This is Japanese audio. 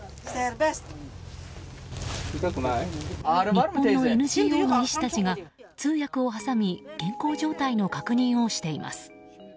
日本のＮＧＯの医師たちが通訳を挟み健康状態の確認をしています。